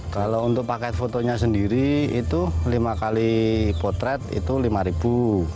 kalau untuk paket fotonya sendiri itu lima kali potret itu rp lima